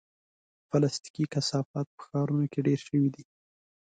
پلاستيکي کثافات په ښارونو کې ډېر شوي دي.